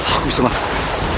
aku bisa mengaksan